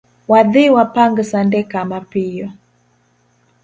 Wadhii wapang sande ka mapiyo